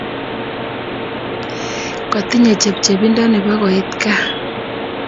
Kotinye chepchepindo nebo koit kaa